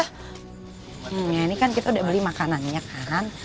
hmm ini kan kita udah beli makanannya kan